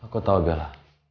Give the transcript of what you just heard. aku tau gala